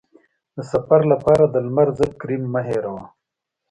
د سفر لپاره د لمر ضد کریم مه هېروه.